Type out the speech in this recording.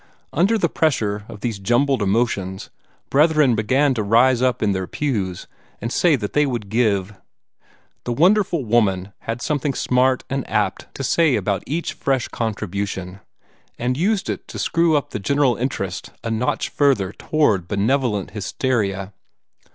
Under the pressure of these jumbled emotions, brethren began to rise up in their pews and say what they would give. The wonderful woman had something smart and apt to say about each fresh contribution, and used it to screw up the general interest a notch further toward benevolent hysteria.